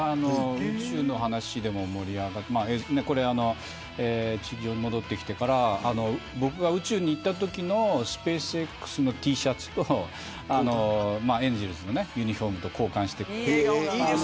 宇宙の話で盛り上がって地上に戻ってきてから僕が宇宙に行ったときのスペースＸのＴシャツとエンゼルスのユニホームと交換して。